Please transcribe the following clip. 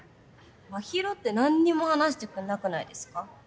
真尋って何にも話してくんなくないですか？